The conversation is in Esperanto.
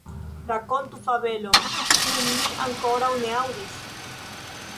Rakontu fabelon, kiun mi ankoraŭ ne aŭdis.